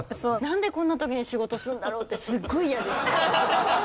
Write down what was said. なんでこんな時に仕事するんだろうってすっごい嫌でした。